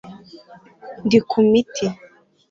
Ndi ku miti